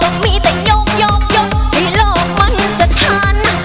ต้องมีแต่ยกให้ลอกมันสถานะ